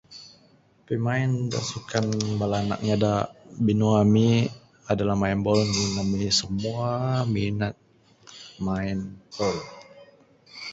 Pimain da sukan mung bala anak inya da binua ami adalah main bol ngin ami simua ami minat main bol.